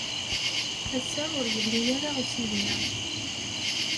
Ass-a, ur yelli ara usigna.